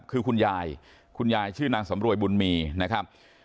คือคุณยายคุณยายชื่อนางสำรวยบุญมีนะครับ